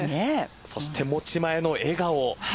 そして持ち前の笑顔。